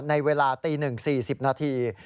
ในเวลาตี๑สี่สิบนาที